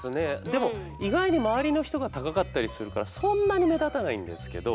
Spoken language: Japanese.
でも意外に周りの人が高かったりするからそんなに目立たないんですけど。